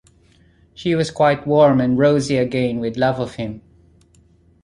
She was quite warm and rosy again with love of him.